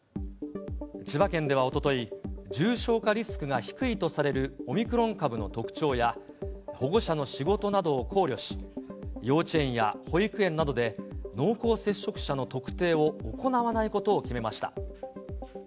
千葉県ではおととい、重症化リスクが低いとされるオミクロン株の特徴や、保護者の仕事などを考慮し、幼稚園や保育園などで濃厚接触者の特定を行わないことを決めました。